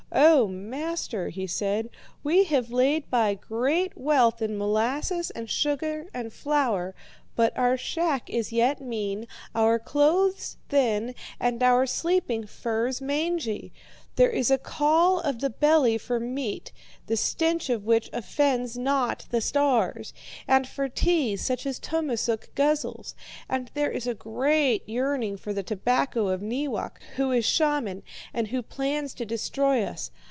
'O master,' he said, 'we have laid by great wealth in molasses and sugar and flour, but our shack is yet mean, our clothes thin, and our sleeping furs mangy. There is a call of the belly for meat the stench of which offends not the stars, and for tea such as Tummasook guzzles, and there is a great yearning for the tobacco of Neewak, who is shaman and who plans to destroy us.